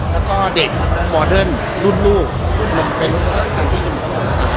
สุดโรคนักอุปกรณ์เป็นรถสะทางขันที่ก่อนพบด้านสาาร